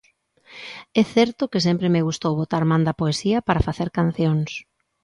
É certo que sempre me gustou botar man da poesía para facer cancións.